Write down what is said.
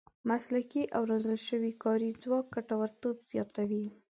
مسلکي او روزل شوی کاري ځواک ګټورتوب زیاتوي.